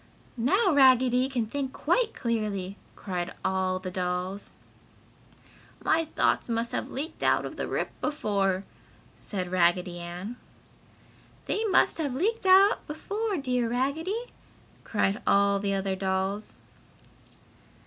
"Now Raggedy can think quite clearly!" cried all the dolls. "My thoughts must have leaked out the rip before!" said Raggedy Ann. "They must have leaked out before, dear Raggedy!" cried all the other dolls.